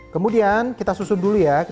kemudian kita susun dulu ya